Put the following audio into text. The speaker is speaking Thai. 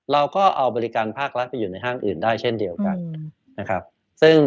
เราก็เอาบริการภาครัฐไปอยู่ในห้างอื่นได้เช่นเดียวกันนะครับ